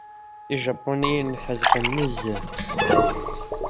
Ijapuniyen ḥedqen nezzeh.